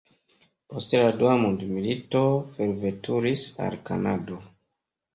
Post la dua mondmilito forveturis al Kanado.